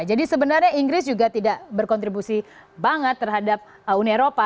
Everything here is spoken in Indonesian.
jadi sebenarnya inggris juga tidak berkontribusi banget terhadap uni eropa